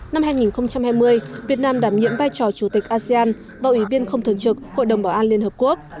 năm hai nghìn hai mươi việt nam đảm nhiệm vai trò chủ tịch asean vào ủy viên không thường trực hội đồng bảo an liên hợp quốc